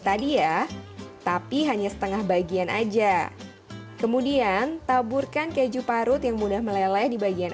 tadi ya tapi hanya setengah bagian aja kemudian taburkan keju parut yang mudah meleleh di bagian